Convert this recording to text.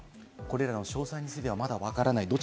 詳細についてはまだわからない。